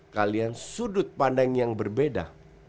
kalian sudut pandang yang berbeda